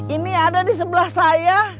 ini ada di sebelah saya